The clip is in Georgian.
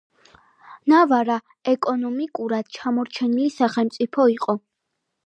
ნავარა ეკონომიკურად ჩამორჩენილი სახელმწიფო იყო.